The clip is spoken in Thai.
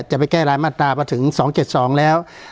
จะไปแก้รายมาตรามาถึง๒๗๒แล้ว